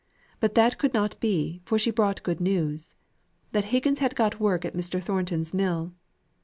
But that could not be, for she brought good news that Higgins had got work at Mr. Thornton's mill.